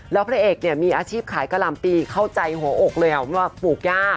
แล้วพระเอกเนี่ยมีอาชีพขายกะหล่ำปีเข้าใจหัวอกเลยว่าปลูกยาก